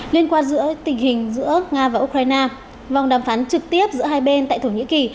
liên quan giữa tình hình giữa nga và ukraine vòng đàm phán trực tiếp giữa hai bên tại thổ nhĩ kỳ